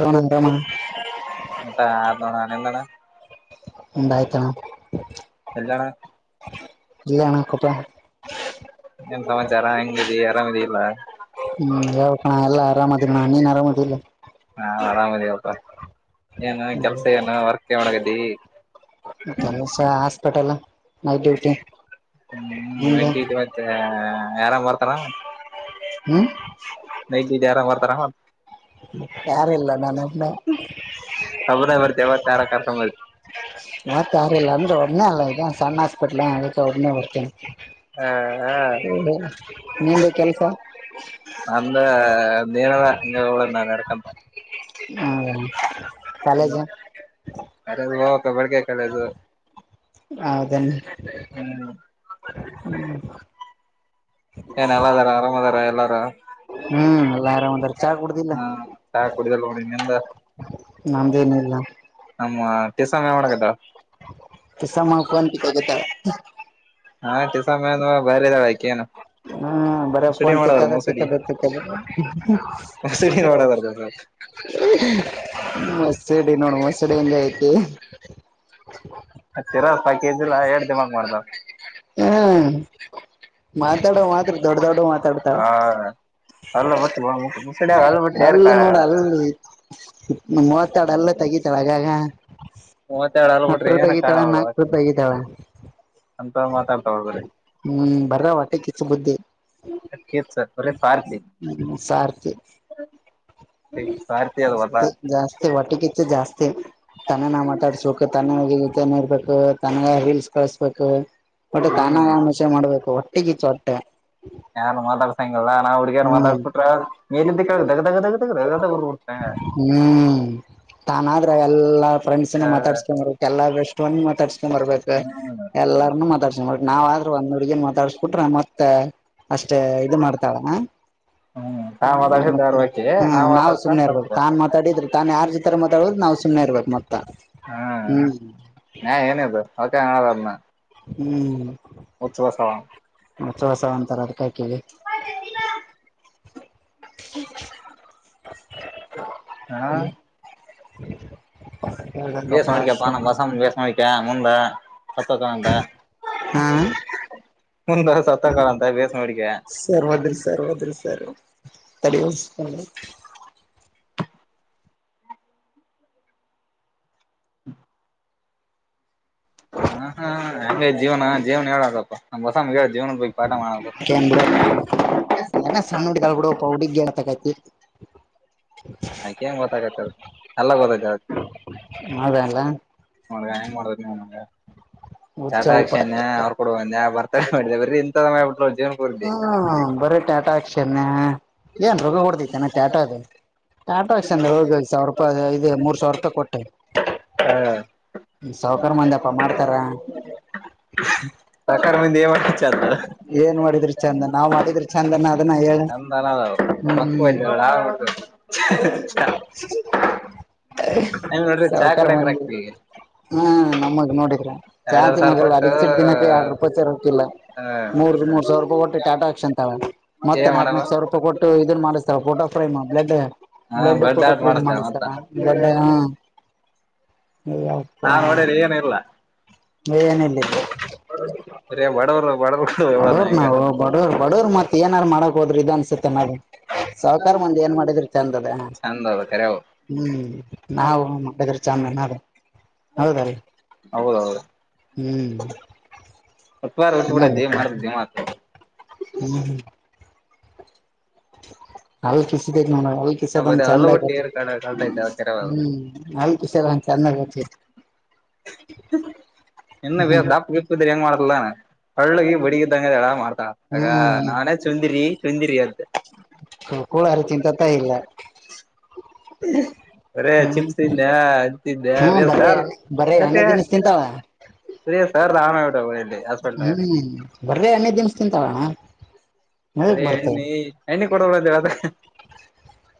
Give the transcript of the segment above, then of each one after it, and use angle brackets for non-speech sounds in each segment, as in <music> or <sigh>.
ಅಣ್ಣ ಆರಾಮ ಮತ್ತಾ ಆಯ್ತ್ ಅಣ್ಣ ನಿನ್ನಯ್ತ್ನ್ನಾ ಎಲ್ಲಣ ಇಲ್ಲ ಅಣ್ಣ <unintelligible> ಏನ್ ಸಮಾಚಾರ ಹೆಂಗಿದಿ ಆರಾಮಿದಿ ಇಲ್ಲ ಹ್ಮ ಯೋಳ್ಬೇಕಣ್ಣ ಎಲ್ಲ ಆರಾಮಗಿರಣ್ಣ ನೀನ್ ಆರಾಮದಿಲ್ಲ ಹಾ ಆರಾಮ ಇದಿವಪ್ಪ ಏನು ಕೆಲ್ಸ ಏನು ವರ್ಕ್ ಒಳಗ್ದಿ ಕೆಲಸ ಹಾಸ್ಪಿಟಲ್ ನೈಟ್ ಡ್ಯೂಟಿ ಹ್ಮ ನಿಂದ ಮತ್ತ ಯರಾಮ್ ಬರ್ತಾರ ಹ್ಮ್ ನೈ ದಿದ್ ಆರಾಮ್ ಬರ್ತಾರ ಮ ಯಾರಿಲ್ಲ ನಾನೊಬ್ನ <unintelligible> ಐವತ್ತಾರ ಕರ್ಕಬ ಮತ್ತ ಯಾರಿಲ್ಲ ಅಂದ್ರೆ ಒಬ್ಬ್ನೆ ಅಲ್ಲ ಇ ಸಣ್ಣ ಹಾಸ್ಪಿಟ್ಲ್ ಅಕ್ಕೆ ಒಬ್ಬ್ನೆ ಹೋಗರ್ತೇನಿ ಹಾ ಹ ನಿಂದು ಕೆಲ್ಸ ಅಂದೆ <unintelligible> ಹಿಂಗ್ ಅವ್ಳ ನಾ ನಡ್ಕಂತ. ಹ್ಮ ಕಾಲೇಜ <unintelligible> ತಬಳ್ಗೆ ಕೆಳೆದು. ಹೌದನ್ನೇ ಹ್ಮ ಏನ್ ಎಲ್ಲ ಅದಾರ ಆರಾಮ್ ಅದಾರ ಎಲ್ಲಾರ ಹ್ಮ್ ಎಲ್ಲ ಆರಾಮದಾರ ಚಾ ಕುಡ್ದಿಲ್ಲ ಹಾ ಚಹಾ ಕುಡಿದಲ್ಲ ನೋಡಿ ನಿನ್ನಿಂದ ನಮ್ದೇನಿಲ್ಲ ಕೆಸ ಮಾಡಗದ್ದಾ <unintelligible> ಹಾ <unintelligible> ಬಾರಿ ಅದಾವ್ ಆಕೀನು. ಹ್ಮ ಬರ ಫೋನ್ ತಿಕ್ಕದ ತಿಕ್ಕದ ತಿಕ್ಕದ ಮುಸುಡಿ ಮಾಡದ್ರ ಮುಸ್ಡಿ ನೋಡ್ ಮುಸುಡಿ ಹೆಂಗಾಗೈತಿ. ಮತ್ತಿರ ಪಾಕಿದ್ರ ಎರಡ್ ದಿಮಾಕ್ ಮಾಡ್ತಾವ ಹ್ಮ್ ಮಾತಾಡೋ ಮಾತ್ರ ದೊಡ್ಡ ದೊಡ್ಡ ಮಾತಾಡ್ತಾಳ ಹಾ ಅಲ್ಲ ಬಿಟ್ ಮುಸಡ್ಯಾಗ ಅಲ್ ಬಿಟ್ರಿ ಏನ್ ಹಲ್ಲ್ ನೋಡ ಕಾಣಾಗಲ್ಲ ಅಲ್ಲಿ ಮೂವತ್ತೇರಡು ಹಲ್ಲ್ ತಗಿತಳ ಆಗಾಗ ಮೂವತ್ತೆರಡು ಅಲ್ ಬಿಟ್ರಿ ಹತ್ತು ಏನ್ ರೂಪಾಯಿಗತಾಳ ಕಾಣವಲ್ಲ ನಾಲ್ಕು ಒಟ್ಟು ರೂಪಾಯಿಗಿತಾಳ ಅಂತ ಮಾತಾಡ್ತಾವ ಬರೀ ಹ್ಮ್ ಬರ್ರ ಹೊಟ್ಟೆಕಿಚ್ಚು ಹೆಚ್ಚ ಬರೀ ಸ್ವಾರ್ಥಿ ಹ್ಮ ಸಾರ್ಥಿ ಸ್ವಾರ್ಥಿ ಅದ ಗೊತ್ತಾ ಜಾಸ್ತಿ ಹೊಟ್ಟೆಕಿಚ್ಚು ಜಾಸ್ತಿ ತನ್ನೇ ನಾ ಮಾತಾಡ್ಸ್ಬೇಕು ತನ್ನತ ಇರ್ಬೇಕು ತನ ರಿಲ್ಸ್ ಕಳಸ್ಬೇಕು ಒಟ್ಟೆ ಹ್ಮ್ ತಾನ ಆಮಷೆ ಮಾಡ್ಬೇಕು ಹೊಟ್ಟೆಗಿತ್ತು ಹೊಟ್ಟೆ ಯಾರು ಮಾತಾಡ್ಸಂಗಲ್ಲ ನಾ ಹುಡ್ಗ್ಯಾರ ಹ್ಮ್ ಮಾತಾಡ್ಬಿಟ್ರ ಮೇಲಿಂದಕ್ಕೆ ದಗ ದಗ ದಗ್ದಗ ದಗದಗ್ ಹುರ್ಬಿಡ್ತ ಹ್ಮ್ ತಾನ ಆದ್ರ ಎಲ್ಲಾ ಫ್ರೆಂಡ್ಸ್ನ ಮಾತಾಡ್ಸ್ಕೊಂಡ ಎಲ್ಲಷ್ಟ ಮಾತಾಡ್ಸ್ಕೊಂಬ ಬರ್ಬೇಕು ಹ್ಮ್ ಎಲ್ಲರನು ಮಾತಾಡ್ಸ್ಕಂಬರ್ಬೇಕು ನಾವ ಆದ್ರೂ ಒಂದ್ ಹುಡ್ಗಿನ್ ಮಾತಾಡ್ಸ್ಕಿಟ್ರೆ ಮತ್ ಮತ್ತ ಅಷ್ಟೇ ಇದು ಮಾಡ್ತಾಳ ಹ್ಮ್ ನಾ <inaudible> ಮಾತಾಡ್ಸಿದ್ದ ಮತ್ತೆ ಅವ್ರ ಆಕಿ ಹ್ಮ ನಾ ನಾವು ಮಾತಾಡ್ಸಿದ ಸುಮ್ನೆ ಇರ್ಬು ತಪ್ಪು ತಾನ್ ಮಾತಾಡಿದ್ರೆ ತಾನನ್ ಯಾರ್ ಜತ್ರರ ಮಾತಾಡುದು ನ. ನಾವ ಸುಮಮ್ಮನೆ ಇರ್ಬೇಕು ಮೊತ್ತ ಹ್ಮ್. ನ್ಯಾಯ <unintelligible> ಹ್ಮ್. ಹುಚ್ಚ ಬಸವ ಮಸ ಹೊಸ ಒಂತರ ಅದಕಾಯ್ ಕೇಳಿ. ಹ್ಮ <inaudible> ಹಾ <inaudible> ವಷ ಹೇಳ್ಬೇಕಪ್ಪಾ ಮಾಡೇಡಿಕಪ್ಪ ನ ಬಸಾಮ ವಷ ಮಾಡಡಿಕ ಮುಂದ. ಹಾ <unintelligible> ಒಂದ ಬರ ಸತ್ತ ಕಳ ಅಂತ ಬೇಸ್ ಮಾಡೋಡಿಕ. ಸರ್ ಹೋದ್ರಿ ಸರ್ <unintelligible> ಹ್ಮ <inaudible> ಹಾ ಹಗೆ ಜೀವನ ಜೀವನ ಹೇಳಾರಪ್ಪ ನಮ್ಮ ಬಸ. <unintelligible> ಬಿಡ ಸಣ್ಣ. <unintelligible> <unintelligible> ಅ್ಕ ಹೆಂಗ ಗೊತ್ತಾಗತ್ತ ಎಲ್ಲ ಗೊತ್ತ. ಹೌದಲ್ಲ ನೋಡ ಹೆಂಗ ಮಾಡಟಕ್ಷನ್ ಹುಚ್ಚ ಉಪ ಅವ್ರು ಕೊಡ ಬರ್. ಮಾಡ ಬರೀ ಎಂತ ಸಮಯ ಬಿಟ್ಟಲ ಜೀವನ ಪೂರ್ತಿ. ಹ್ಮ್ ಬರೀ ಟಾಟಾ ಆಕ್ಷನ್ ಏನ್ ರೋಗ ಹೊಡದೈ ಚೆನ. <unintelligible> ಟಾಟಾಕ್ಷ ಅಂದ್ರೆ ಹೋಗ ಸಾವಿರ ರೂಪಾಯಿ ಇದೆ ಮೂರ್ ಸಾವಿರ ರೂಪಾಯಿ ಕೊಟ್ಟೆ. ಸಾವಕರ್ ಮಂಧೀಯಪ್ಪ ಮಾಡ್ತಾರ. <unintelligible> ಮಾಡ ಚಂದ <inaudible> ಏನ್ ಮಾಡಿದ್ರಿ ಚಂದನ್ ನಾವ್ ಮಾಡಿದ್ರಿ ಚಂದನ್ ಅದನ್ನ ಹೇಳ. ನದ ಹ್ಮ್ ಮಕ್ಕು ಬ. <unintelligible> ನಂಗ ನೋಡ್ರಿ ಚಾ ಕುೂಡಕ್ರ ಆಗ್ತಿ. ಹಾ ನಮ್ಮಗ್ ನೋಡಿದ್ರ <unintelligible> ಸಾವಿರ ನಾಗಲ್ಲ ಕೊಟ್ಟು ಅಡಗ್ ಚಿಡ್ ದಿನಕ್ಕೆ ಆ. ಇಪ್ಪತ್ತಕ್ಕಿಲ್ಲ ಮೂರ್ ಮೂ ಸಾವರ ರೂಪಾಯಿ ಕೊಟ್ಟು ಟ್ಯಾಟೂ ಅಂತಳಿ ಮತ್ತೆ ಏನ್ ನಾಕ ಮಾಡವ ನಕ ಸಾವಿರ. ಪ ಕೊಟ್ಟು ಇದನ್ ಮಾಡಿಸ್ತಾರ ಫೋಟೋ ಫ್ರೇಮ್ ಬ್ಲೆಡ್. ಹಾ ಬ್ಲಡ್ ಬಡ್ ಫೋಟೋ ಆರ್ಟ್ ಫ್ರೇಮ್ ಮಾಡಸ್ತಾರ ಮತ್ತ ಮಾಡಿಸ್ತರ ಬ್ಲಡ್ ಹ. <inaudible> <unintelligible> ನಪ್ಪ ನಾ ನೋಡ್ಯರಿ ಏನಿಲ್ಲ ಏನಲ್ಲಿದ್ದ. ಬರೇ ಬಡವರು ಬಡವರು ಕೊಡೋದು ಬಡೋರ್ ಹೆಂಗ ನಾವು ಬಡೋ ಬಡವರ್ ಮತ್ ಏನಾರು ಮಾಡಕ್ ಹೋದ್ರಿ ಇದ ಅನ್ಸರ್. ಸಾಹಕಾರ ಮಂದಿ ಏನ್ ಮಾಡಿದಿರ್ತ್ತ ಚಂದದ. ಚಂದ ಅದ ಕರೆ ಅವು ಹ್ಮ್ ನಾವು ಮಾಡದ್ರ ಚಾಮನ್ದ ಹೌದ ರೀ. ಹೌದೌದು ಹ್ಮ್. ಉತ್ವಾರ ಹುಟ್ಟಿ ಬಿಡೈತಿ ಮಾಡ್ದ ದಿಮಾಕ್ <unintelligible> ಅಲ್ಕಿಸಿತ್ತಿದ್ದ. <unintelligible> ಬರೇ ಕಿಸದಂಗ್ ಹಲ್ಲು ಚಂದ ಬಿಟ್ಟು ಆಗ ಏರ್ ಕಡ ಕಳ್ತೈತೆ ಅದ ಕರೆ ಅವು ಹ್ಮ್ ನಲ್ ಕಿಸದಂಗ ಚಂದ ಆಗ. ಇನ್ನು ಬ ದಾಪಪ್ಪದೆಂಗ ಮಾಡತಲ್ಲಾನಾ. ಹಳ್ಳಗಿ ಬಡಗಿದ್ದಂಗ ಎಡ ಮಾಡ್ತಾ ಆಗ ಹ್ಮ್ ನಾನೇ ಚುಂದಿರಿ. <unintelligible> ಮುಂದ್ರಿಯಂತ. ಕೂಳಾರು ಚಿಂತತ ಇಲ್ಲ ಹ್ಮ <unintelligible> ಅರೇ ಹ್ಮ್ ಚಿಪ್ಸ್ ದಿಂದೆ ಅಂತಿದ್ದೆ ಹ್ಮ್ ಬೇಸ್. ಬರೇ ಬರೇ ಎಣ್ಣೆ ತಿನ್ನಿಸ್ ತಿಂತಾಳ ಹಾಸ್ಪಿಟ್ಲ್ನಾಗ ಹ್ಮ್ ಬರ್ರೆ ಹನ್ನದ ದನ್ಸ ತಿಂತಾವಣ್ಣ. ಮಗ್ ಬರೇ ಬರ್ತವೆ ಎಣ್ಣಿ ಎಣ್ಣಿ ಕೊಡೋಬ್ರು ಅಂತ ಹೇಳ್ದ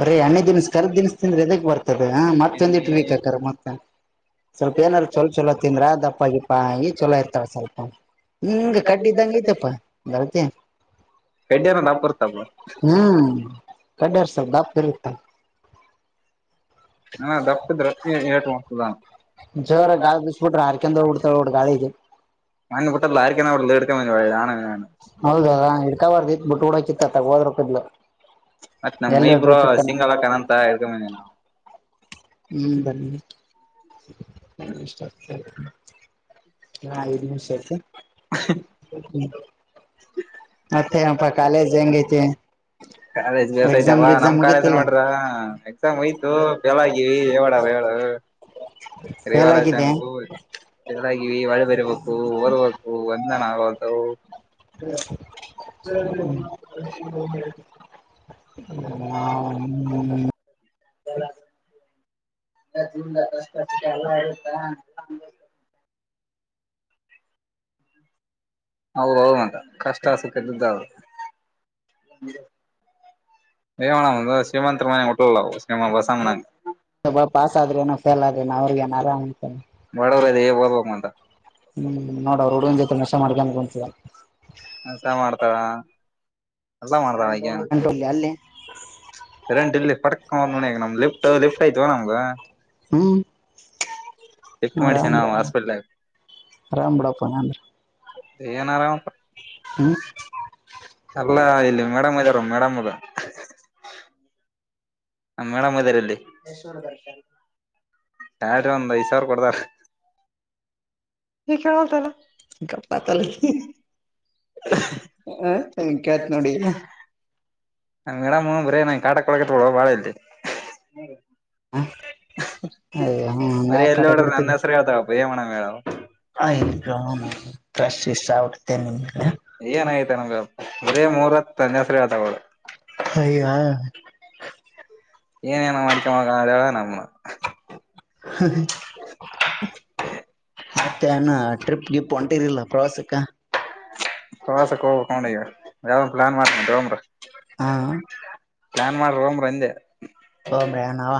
ಬರೀ ಎಣ್ಣೆ ದಿನ ಕರ್ದ. ದ್ರ ಎದಕ್ ಬರ್ತದೆ ಮತ್ತೊಂದ್ ಇ ಎಣ್ಣಿ ಅಂತ ವೀಕ್ ಮತ. ಸ್ವಲ್ಪ ಏನಾದಾರರು ಚಲೋ ಚೊಲೋ ತಿಂದ್ರ ಅ ದಪ್ಪಗಿಪ್ಪಿ ಚಲೋ ಇರ್ತಾಳ ಸ್ವಲ್ಪ. ಹಂಗ ಕಡ್ಡಿ ಇದ್ದಂಗಐತಪ್ಪ ಬರತ. <unintelligible> ನಾ. ಹ್ಮ್ ಕಡ್ಡಾರ್ಸವ ಬಾಪ ಇರುತ್ತ ನ ದಪ್ಪ ದ ಇರಟುವಂಸದ ಜರ ಗಾಳ ಬಿಸಬುಟ್ರ ಹಾರಕ ಉಡ್ತ ಗಾಳಿಗೆ ಮನ್ನೆ ಬಿಟ್ಟದ್ ಲಾರಿಕನ ಹೊಡ್ದ್ ಹಿಡ್ಕೊಂಡ್ ಬಂದ್ವಿ ಹೊಳ್ಳಿ ನಾನು ಹೌದದಾ ಹಿಡ್ಕಬಾರ್ದಿ ಬಿಟ್ಟ ಡಕಿತ್ತ ಹೋದ್ರ ಕದ್ಲು ಮತ್ ನಮ್ ನೆಲ್ಲ ಇಬ್ರು ಬೀಳ್ತಿತ್ತಾನ ಸಿಂಗಲ್ ಅಕ್ಕನಂತ ಇಡ್ಕೊಂಬಿ ನಾವು ಹ್ಮ್ ಬನ್ನಿ ಹ ಇಷ್ಟ ಆಗ್ತ ಹಾ ದು ನಿಷಯತ ಮತ್ತೆ ಅಪ್ಪಾ ಕಾಲೇಜ ಜಂಗತಿ ಕಾಲೇಜ್ ಬೇಸಯತವಾ ನಮ್ ಕಾಲೇಜ್ ನೋಡ್ರ ಎಕ್ಸಾಮ್ ಹಯ್ತು ಫೇಲ್ ಆಗಿವಿ ಹಡವ ಫೇಲ್ ರರಿವಾಲ ಆಗಿದೆ ಚಂಗೂ ಹೊರ್ಬೇಕು ಒಂದನ ಆಗತವು ಹ ಸ ಹ್ಮ ಹ <inaudible> ಹೌದ ಹೌ ಮದ ಕಷ್ಟ ಅಸುಕ್ಕದ್ದದು ಣ ಶ್ರಮಂತರ ಮನೆ ಹೊಟ್ಟಲ್ಲ ಶ್ರೀಮಂತ ಬಸಂಗ ಸ್ವಲ್ ಪಾಸ್ ಆದ್ರೆಏನ ಫೇಲ್ ಆದ್ರೆನ ಅವ್ರಿಗಏನ್ ಆರಾಮ್ ಹ್ಮ್ ಬಡವ್ರ ಇದೀವಿ ಓದ್ಬೇಕು ಅಂತ ನೋಡರು ಹುಡು ಜತೆ ನಷ್ಟ ಮಾಡ್ಲಿ ಅನ್ಕೊಂತ ಹಸ ಮಾಡ್ತಾವ ಎಲ್ಲ ಮಾಡ್ತಾವ ಈಗ ಅಂಟಲ್ಲಿ ಅಲ್ಲಿ ಕರೆಂಟ್ ಇಲ್ಲಿ ಪಡಕ ನೋಡಿ ನಮ್ ಲೆಫ್ಟ್ ಲೆಫ್ಟ್ ಆಯ್ತವಾ ನಮಗ ಹ್ಮ್ ಶಿಫ್ಟ್ ಮಾಡಸೇ ನಾವು ಹಾಸ್ಪಿಟ್ಲ ಆರಂ ಬಿಡಪ್ಪ ಹಂಗೇಂದ್ರೆ ದಏನಾರ ಹ್ಮ್ ಅಲ್ಲಾ ಇಲ್ಲಿ ಮೇಡಮ್ ಅದಾರ ಮೇಡಮ್ ನಮ್ಮೇಡಮ್ಮದರಲ್ಲಿ ಸ್ಯರಿ ಒಂದ್ ಐದ್ ಸಾವಿರ ಕೊಡದಾರ ಕಪ್ಪಾತಲ್ಲಿ ಹ ಚ ಕತ್ ನೋಡಿ ನ ಮೇಡಮ್ ನಾ ಕಾಟಕ್ ಒಳಗೋಡುವ ಬಾಳ ಇಲ್ತೆ ಹ ಅಯ ಹ ಬರೀ ಯಾಕ ಎಲ್ಲಿ ಕಟ ನೋಡ್ರ ಕೊಡ್ತೀರಿ ನನ್ನ <unintelligible> ಹೆಸರು ಹೇಳ್ತಾವಪ್ಪ ಏನ್ ಮಾಡಮ್ ಹೇಳು ಏನಾಯತ ನಂಗಗ ಬರೇ ಮೂರ ಹತ್ ತಂದಸ್ರಿ ಹಳ್ ತಗೋಳ ಅಯ್ಯೋ <inaudible> ಏನೇಏನೋ ಮಾಡ್ಕೊಗ ಅ ನಮ್ಮ ಹ್ಮ್ ಮತ್ತೆ ಅಾನ ಟ್ರಿಪ್ಗೆ ಹೊಂಟಿರ್ಲ್ಲ ಪ್ರವಾಸಕ ಪ್ರವಾಸಕ್ಕೆ ಹೋಗ್ಬೇಕಕ್ಡ ಈಗ ಯಾವನ್ ಪ್ಲಾನ್ ಮಾಡ್ತನ್ ಒಮ್ರ ಹಾ ಪ್ಲಾನ್ ಮಾಡ್ರ ಒಮ್ರ ಅಂದೆ ಹ ಬ್ಯಾನವಾ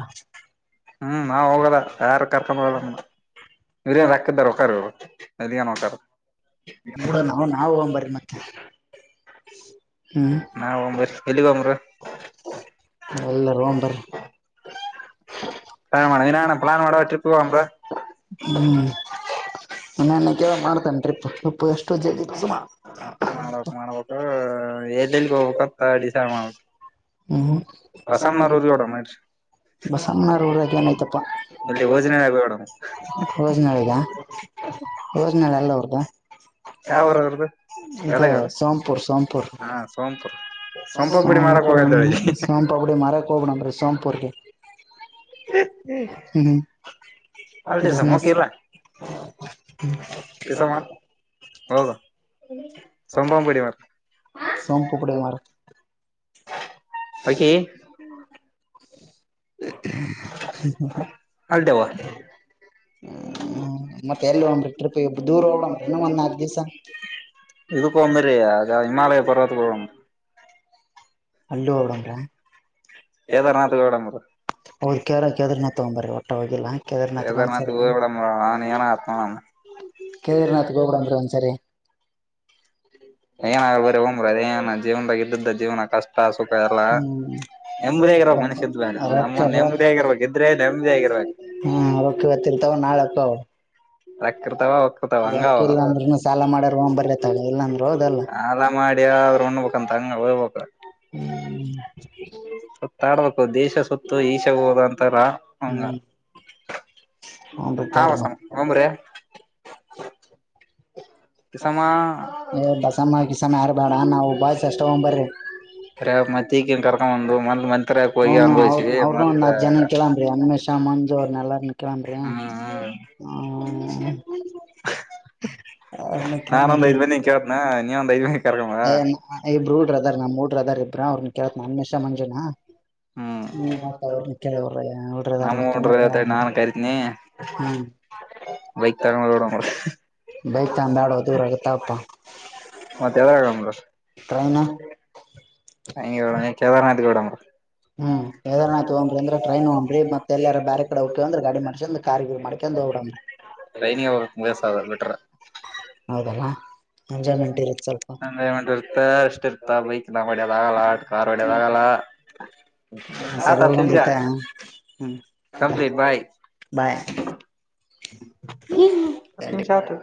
ಹ್ಮ್ ನಾವ್ ಹೋಗದ ಯಾರು ಕರ್ಕೊಂಡಬರಲ್ಲಾ ಬಿರಿಯಾನಿ ಹಾಕಿದ್ದಾರ ಎದ ನೋಕ್ಕಾರೆ ಡ ನಾ ನಾವ ಹೋಗಂಬರ ಮತ್ತೆ ಹ್ಮ್ ನಾವ ಒಂಬ್ರಿ ಎಲ್ಲಿಗ್ ಬಂಬ್ರ ಎಲ್ಲ ರ ಬರ ಪ್ಲಾನ್ ಮಾಡ ಇನ್ನ ಪ್ಲಾನ್ ಮಾಡುವ ಟ್ರಿಪ್ ಹೋಗೋಮ್ರ ಹ್ಮ್ ನನ ಕ ಮಾಡ್ತೇನ್ ರರಿಪ್ಪಪ್ಪು ಎಷ್ಟು ಜ ಮಾಡ ಹ ನ ಮಾಡ ಯಡ್ಡು ಯಲ್ಲಿ ಹೂಗ್ಬೇಕಂತ ಡಿಸೈಡ್ ಮಾಡಿ ಹ್ಮ್ ಬ ಸಣ್ಣ ಊಡಕ ಏನಯತಪ್ಪ ಇಲ್ಲಿ ಓಜಿನಾಳ್ ಹೋಗೋಣ ರೋಜನಾಳಗ ಯೋಜನೆ ಎಲ್ಲ ಅವ್ರ್ದ ಯಾವೂರ್ ಅವ್ರದು ಇ ಗದಗ ಅಲ್ಲ ಸೋಂಪುರ್ ಸೋಂಪುರ್ ಹಾ ಸೋಂಪು ಸ ಸೋಂಪನ್ ಪುಡಿ ಮಾರಕ್ ಹೋಗದ್ ಬೆಳಿಗ್ಗೆ ಸೋಂಪಪಡಿ ಮಾರ ಕ ಸೋಂಪುರ್ಗೆ ಹ್ಮ್ ಅಲ್ ದಸಕ ಬಿಸ್ನೆಸ್ ಇರ್ರ ಕೆಸ ಮಾಡ ಹೌದು ಸಂಭ ಪಡಿ ಮಾರ ಸೋಂಪುಪುಡಿ ಮಾರಕ್ ಹಕಿ <inaudible> ಅಲ್ದವಾ ಹ್ಮ ಮತ್ತೆ ಎಲ್್ರಿ ಟ್ರಿಪ್ಬ್ ದೂರ ಹೋಗಡಂಬ್ರಿ ಇನ್ನು ಒಂದ್ ನಲ್ಕು ದಿವ್ಸ ಇದುಕ್ಕ ಒ ಮರಿ ಹಿಮಾಲಯ ಪರ್ವದಕ್ಕ ಒ ಅಲ್ಲು ಹೋಬರನ್ರ ಕೇದಾರನಾಥ ಹೋಗಿ ಬರಾನ್ ಬ್ರಿ ಹೌದ್ ಕೇರ ಕೇದಾರ್ನಾಥ್ ತಗೊಂಬರ್ರಿ ಒಟ್ಟ ಹೋಗಿಲ್ಲ ಕೇದಾರ್ನಾಥ್ಗೆ ಕೇದಾರನಾಥ ಒಂದ್ಸರಿ ಊ ಮಾಡಏನ ಹತ ನ ಕೇದ್ರನಾಥ್ ಗೋಬುರಂದ್ರ ಒ್ ಸರಿ ಏನ್ ಆರ್ರ ಹ್್ರ ಅದೇಏನ ಜೀವನ್ ಬಾಗ ಇದ್ದದ್ದ ಜೀವನ್ ಆಗ್ ಕಷ್ಟ ಸುಖ ಎಲ್ಲ ಹ್ಮ್ ನೆಮ್ಮದಿಯಗಿರಬೇಕ ಮನಸ ಇದ್ದೇಾರೆ ರೊಕ್ಕ ನಮ್ಮ ರೊಕ್ಕ ನೆಮ್ಮದಿಯ ಆಗಿರಬೇಕ ಇದ್ರೆ ನೆಮ್ಮಿಿಯ ಹಗಿರ್ಬೇಕ ಹಾ ರೊಕ್ಕ ಇವತ್ತಿರ್ತಾವ ನಾಳೆ ಅಕ್ಕಾವ ರಕ್ಕರ್ತಾವ ಒಕ್ಕರ್ತಾವ ಹಂಗ ರೊಕ್ಕ ಇಲ್ಲ ಅಂದ್ರನು ಸಾಲ ಮಾಡ್ಯಾರ ಹೋಗಂ ಬರ್ರಿ ಅತ್ತಾಗ ಇಲ್ಲ ಅಂದ್ರ ಹೌದಲ್ಲ ಅಲ್ಲ ಮಾಡಿ ಅವ್ರ ಒಣ್ಣ ಪುಕ್ಕಂತ ತಂಗ ಒ ಪಕ್ಕ ಸತ್ತಾಡ್ಬೇಕು ದೇಶ ಸತ್ತು ಈಷ ಹೋದ ಅಂತಾರ ಹಂಗ ಹ್ಮ್ ಹ್ಞೂನ್ ರೀ ಹಾ ತಗೋರಿ ಹೊಸಾಮ ಮತ್ ಒಮ್ಮ್ರೀ ಕಿಸಮ್ಮ ಅ ಏ ಬಸಮ್ಮ ಕಿಸಮ್ಮ ಯಾರು ಬೇಡ ನಾವು ಬಾಯ ಚಷ್ಟ ಹೋಗ್ ಬರ್ರಿ ಅ ಮತ್ತನ್ ಕರ್ಕೊಂಡಂದು ಮ ಅವನು ಅವ್ರ ಅವರು ಒಂದ್ ಹ್ ಜನ ಕೇಳನ್ ಅನ್ಷ ಮಜ್ ಅವ್ರ ಎಲ್ಲಾರ ಕಂದ್ರ ಹ್ಮ್ ಹ್ಮ್ ಹ ನಾನ ಒಂದ್ ಐದ ಮೇ ನೀನ್ ಕೇೇಳತ್ನಾ ನೀ ಒಂದ್ ಐೇ ಏ ಇಬ್ರು ಡ್ರ ಅದರ್ ನಮ್ ಡ್ರದರ್ ಇಬ್ ಅವ್ರನ್ ಕೇೇಳತ್ ನನ್ ಮಷ ಮಂಜುನಾ ಹ್ಮ್ ಹುಡ್ರ್ ನಮ ಅದಾರಲ್ಲ ಡ್ರ ನಾನ್ ಕಾಯತೀನಿ ಹ್ಮ್ ಬೈಕ್ ತಗ ರೋಡ ಬೈಕ್ ತಗಂಬ್ಯಾಡೋ ದೂರ ಮತ್ತೆ ಯಲ್ಲ ಾಯನಾ ಹ ಕೇದಾರನಾಥ್ ಬಿಡ ಹ್ಮ್ ಎದಾರ ಆ್ತವೊಂಡ್ರಿ ಅ್ರ ಟ್ರೈನ್ ಹೋಗಂಬ್ರಿ ಮತ್ತ ಎಾರ ಬರೆ ಕಡೆ ಹೋಗಕ ಅ್ರ ಗಾಡಿ ಮಾಡಿ ಅ್ರ ಕಾರ್ ಗಿ ಮಾಡಿ ಕೆ ಹೋಗಮ್ಮ ಟ್ರೈನಿಗೆ ಹೋಗಕ್ ಬೇಸ ಅದ ಬಿಟ್ರ ಹೌದಲ್ಲ ಅಂಜ ಮಂಟ ಇರುತ್ತೆ ಸ್ಲ್ಪ ಎಂಜಾಯ್ಮೆಂಟ್ ಇರ್ತ ಇಷ್ಟ ಇರ್ತ ಬೈಕ್ ನಮ್ ಹೊಡೋದ ಆಾಗಲ್ಲ ಕಾರ್ ಒಡ್ಯೋದ ಆಾಗಲ್ಲ ಹಾ ಸರಿ ಸತ್ತಿವಷ ಹೋಗಂಬ್ರಿ ತಾ ಹ್ಮ್ ಸಂ ಭಾಯ ಬಾಯ್ ಹ್ಮ ಹತ್ತು ನಿಮಿಷ ಆತ್